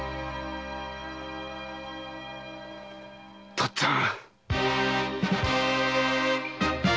父っつぁん！